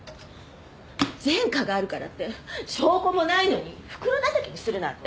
前科があるからって証拠もないのに袋だたきにするなんて。